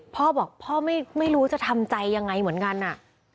พ่อบอกพ่อไม่รู้จะทำใจยังไงเหมือนกันน่ะ